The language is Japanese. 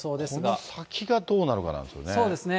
この先がどうなるかなんですよね。